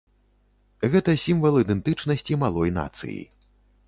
Гэта сімвал ідэнтычнасці малой нацыі.